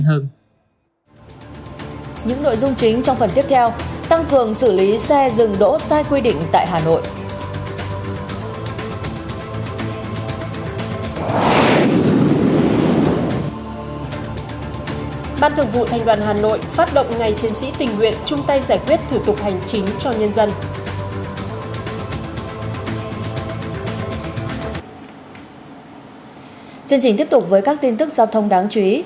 chương trình tiếp tục với các tin tức giao thông đáng chú ý